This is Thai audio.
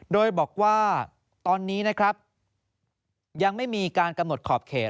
โดยบอกว่าตอนนี้นะครับยังไม่มีการกำหนดขอบเขต